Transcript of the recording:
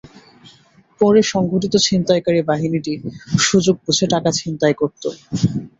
পরে সংগঠিত ছিনতাইকারী বাহিনীটি সুযোগ বুঝে টাকা ছিনতাই করত।